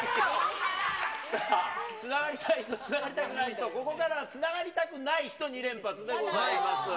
さあ、つながりたい人つながりたくない人、ここからはつながりたくない人２連発でございます。